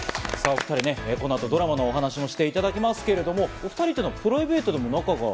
お２人、この後ドラマのお話もしていただきますけれども、お２人、プライベートでも仲が。